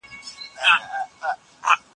زه اجازه لرم چي درسونه لوستل کړم.